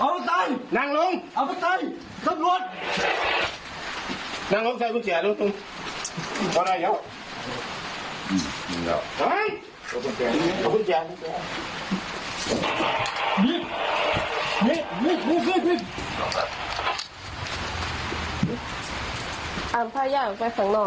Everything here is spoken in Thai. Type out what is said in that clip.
เอาผ้าแย่งไปข้างนอกผม